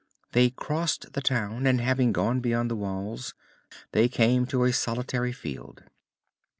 They crossed the town and, having gone beyond the walls, they came to a solitary field.